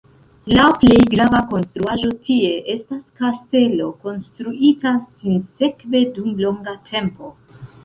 La plej grava konstruaĵo tie estas kastelo, konstruita sinsekve dum longa tempo.